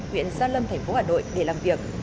huyện gia lâm tp hà nội để làm việc